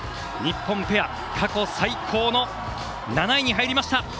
日本ペア、過去最高の７位に入りました！